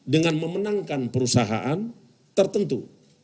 dengan memenangkan perusahaan tertentu